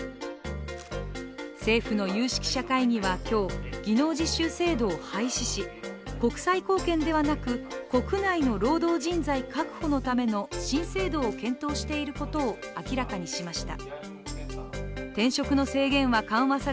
政府の有識者会議は今日技能実習制度を廃止し国際貢献ではなく、国内の労働人材確保のための新制度を検討していることを明らかにしました。